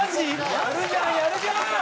やるじゃんやるじゃん！